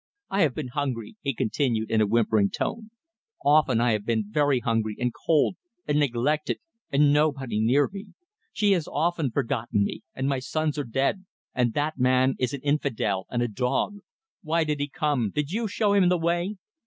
"I have been hungry," he continued, in a whimpering tone "often I have been very hungry and cold and neglected and nobody near me. She has often forgotten me and my sons are dead, and that man is an infidel and a dog. Why did he come? Did you show him the way?"